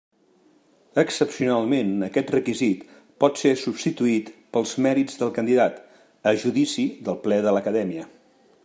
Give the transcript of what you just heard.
Excepcionalment aquest requisit pot ser substituït pels mèrits del candidat, a judici del Ple de l'Acadèmia.